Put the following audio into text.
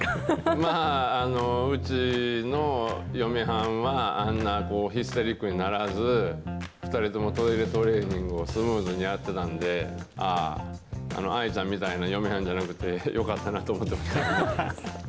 まあ、うちの嫁はんは、あんなヒステリックにならず、２人ともトイレトレーニングをスムーズにやってたんで、ああ、アイちゃんみたいな嫁はんじゃなくて、よかったなと思ってます。